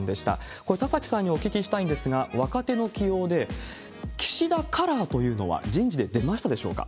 これ、田崎さんにお聞きしたいんですが、若手の起用で岸田カラーというのは、人事で出ましたでしょうか？